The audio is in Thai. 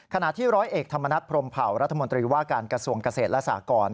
ขณะที่ร้อยเอกธรรมนัฐพรมเผารัฐมนตรีว่าการกระทรวงเกษตรและสากร